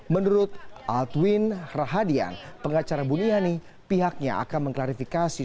menurut aldwin rahadian pengacara buniani pihaknya akan mengklarifikasi